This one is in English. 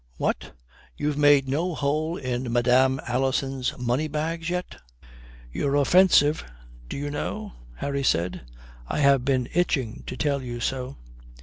What, you've made no hole in Madame Alison's money bags yet." "You're offensive, do you know?" Harry said. "I have been itching to tell you so."